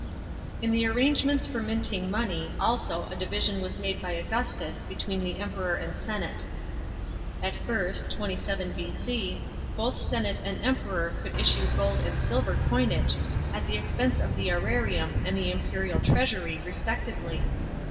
* In the arrangemenis for minting money also a division was made by Augustus between Emperor and senate. At first (27 B.C.) both senate and Emperor could issue gold and silver coinage, at the expense of the serarium and the imperial treasury respectively.